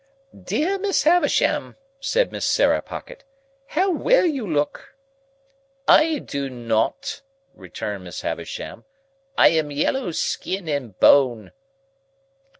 "Dear Miss Havisham," said Miss Sarah Pocket. "How well you look!" "I do not," returned Miss Havisham. "I am yellow skin and bone."